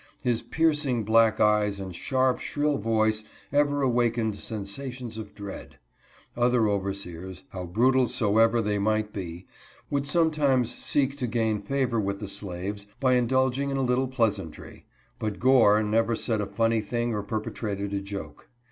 His piercing black eyes and sharp, shrill voice ever awakened sensations of dread. Other overseers, how brutal soever they might be, would sometimes seek to gain favor with the slaves by indulging in a little pleasantry ; but Gore never said a funny thing or perpetrated a joke.